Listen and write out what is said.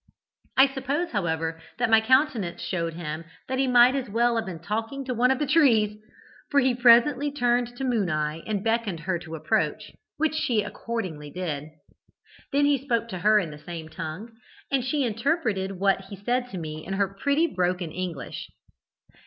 I suppose, however, that my countenance showed him that he might as well have been talking to one of the trees, for he presently turned to Moon eye and beckoned her to approach, which she accordingly did. Then he spoke to her in the same tongue, and she interpreted what he said to me in her pretty broken English.